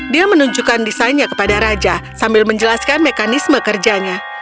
dia menunjukkan desainnya kepada raja sambil menjelaskan mekanisme kerjanya